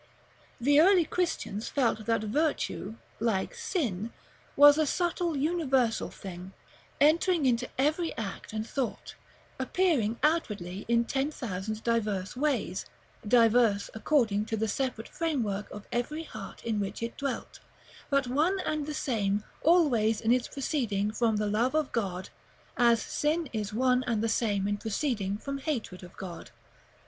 The early Christians felt that virtue, like sin, was a subtle universal thing, entering into every act and thought, appearing outwardly in ten thousand diverse ways, diverse according to the separate framework of every heart in which it dwelt; but one and the same always in its proceeding from the love of God, as sin is one and the same in proceeding from hatred of God.